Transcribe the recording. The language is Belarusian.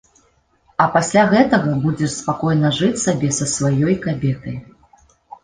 А пасля гэтага будзеш спакойна жыць сабе са сваёй кабетай.